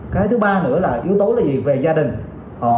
cái thứ ba nữa là yếu tố là gì về gia đình